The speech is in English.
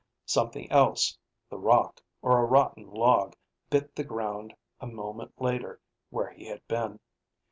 Something else, the rock or a rotten log, bit the ground a moment later where he had been.